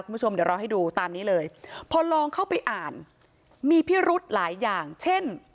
คุณผู้ชมเดี๋ยวเราให้ดูตามนี้เลยพอลองเข้าไปอ่านมีพิรุธหลายอย่างเช่น